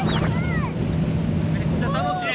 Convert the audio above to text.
めっちゃ楽しい。